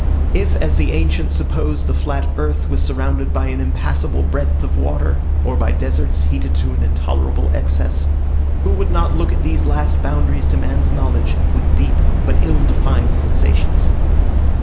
If, as the ancients supposed, the flat earth was surrounded by an impassable breadth of water, or by deserts heated to an intolerable excess, who would not look at these last boundaries to man's knowledge with deep but ill defined sensations?